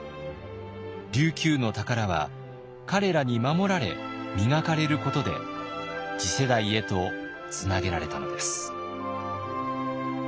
琉球の宝は彼らに守られ磨かれることで次世代へとつなげられたのです。